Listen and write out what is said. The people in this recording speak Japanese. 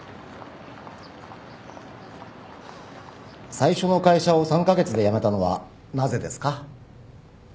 最初の会社を３カ月で辞めたのはなぜですか？